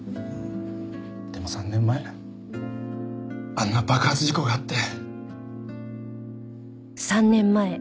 でも３年前あんな爆発事故があって。